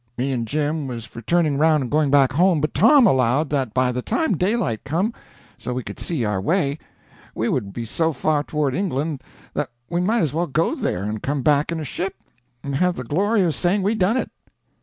Me and Jim was for turning around and going back home, but Tom allowed that by the time daylight come, so we could see our way, we would be so far toward England that we might as well go there, and come back in a ship, and have the glory of saying we done it.